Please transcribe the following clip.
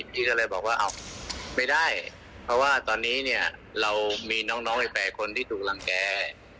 พี่ก็เลยบอกว่าไม่ได้เพราะว่าตอนนี้เนี่ยเรามีน้องอีก๘คนที่ถูกรังแก่